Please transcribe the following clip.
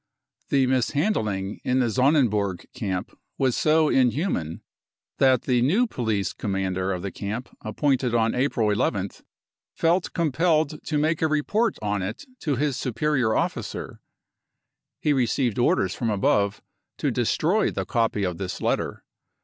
The mishandling in the Sonnenburg camp was so in human that the new police commander of the camp appointed on April 1 1 th felt compelled to make a report on it to his superior officer. He received orders from above to destroy the copy of this letter.